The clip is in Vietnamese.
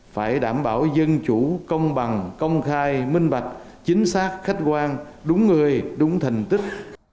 phải đảm bảo dân chủ công bằng công khai minh bạch chính xác khách quan đúng người đúng thành tích